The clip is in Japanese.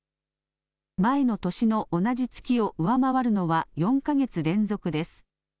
前の年の同じ月を上回るのは４か月連続です。